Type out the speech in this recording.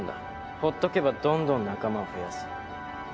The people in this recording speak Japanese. ほっとけばどんどん仲間を増やす。